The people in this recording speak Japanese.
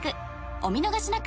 お見逃しなく！］